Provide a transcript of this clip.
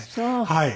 はい。